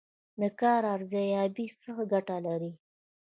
د کار ارزیابي څه ګټه لري؟